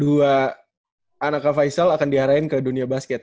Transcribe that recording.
dua anak ka faisal akan diarahin ke dunia basket